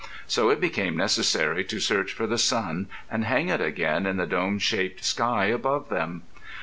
So it became necessary to search for the sun and hang it again in the dome shaped sky above them.